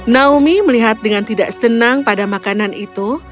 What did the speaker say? naomi melihat dengan tidak senang pada makanan itu